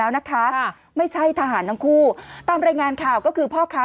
แล้วนะคะค่ะไม่ใช่ทหารทั้งคู่ตามรายงานข่าวก็คือพ่อค้า